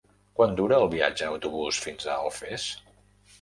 Quant dura el viatge en autobús fins a Alfés?